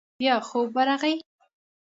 بيا خوب ورغی.